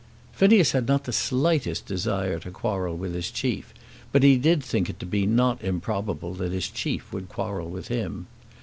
Phineas had not the slightest desire to quarrel with his chief; but he did think it to be not improbable that his chief would quarrel with him.